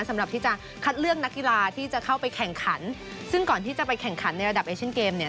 สำหรับที่จะคัดเลือกนักกีฬาที่จะเข้าไปแข่งขันซึ่งก่อนที่จะไปแข่งขันในระดับเอเชียนเกมเนี่ย